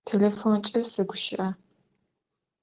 Têlêfonç'e seguşı'e.